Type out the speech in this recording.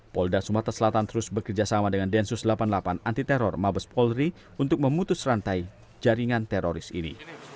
polda sumatera selatan terus bekerjasama dengan densus delapan puluh delapan anti teror mabes polri untuk memutus rantai jaringan teroris ini